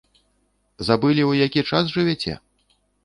Забылі, у які час жывяце?